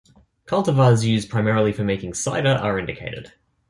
Cultivars used primarily for making cider are indicated.